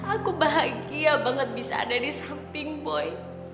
aku bahagia banget bisa ada di samping boy